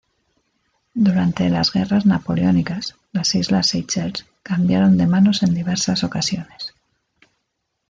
Durante las Guerras Napoleónicas las islas Seychelles cambiaron de manos en diversas ocasiones.